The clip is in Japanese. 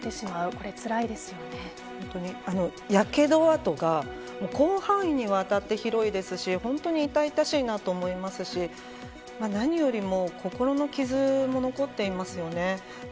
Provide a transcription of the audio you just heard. これやけど痕が広範囲にわたって広いですし本当に痛々しいと思いますし何よりも心の傷も残っていますよね。